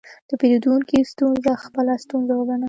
د پیرودونکي ستونزه خپله ستونزه وګڼه.